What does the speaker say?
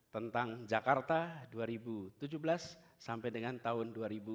tentang jakarta dua ribu tujuh belas sampai dengan tahun dua ribu dua puluh dua